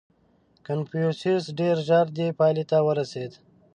• کنفوسیوس ډېر ژر دې پایلې ته ورسېد.